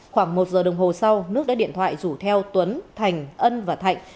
khoảng một giờ đồng hồ sau nước đã điện thoại rủ theo tuấn thành ân và thạnh